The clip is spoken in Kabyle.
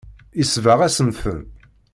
Yesbeɣ-asen-ten.